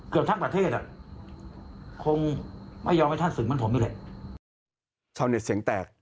เกือบทั้งประเทศคงไม่ยอมให้ท่านศึกเหมือนผมอยู่ด้วย